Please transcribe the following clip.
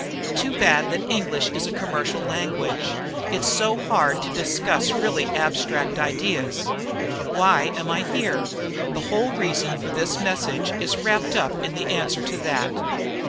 Too bad that English is a commercial language, it's so hard to discuss really abstract ideas. Why am I here? The whole reason for this message is wrapped up in the answer to that.